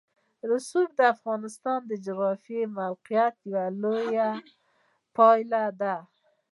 رسوب د افغانستان د جغرافیایي موقیعت یوه لویه پایله ده.